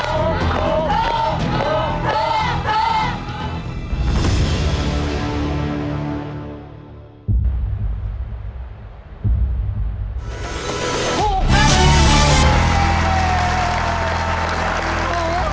โหเทถกครับ